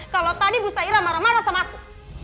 kalau tadi bu saira marah marah sama aku